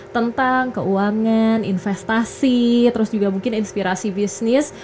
tentang keuangan investasi terus juga mungkin inspirasi bisnis